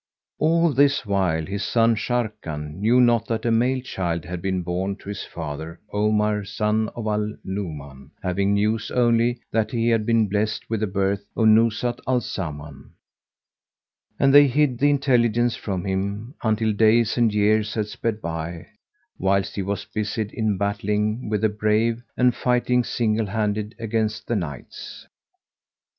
All this while his son Sharrkan knew not that a male child had been born to his father, Omar son of Al Nu'uman, having news only that he had been blessed with the birth of Nuzhat al Zaman; and they hid the intelligence from him, until days and years had sped by, whilst he was busied in battling with the brave and fighting single handed against the knights.